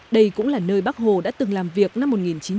đây cũng là nơi bác hồ đã từng làm việc năm một nghìn chín trăm bốn mươi bảy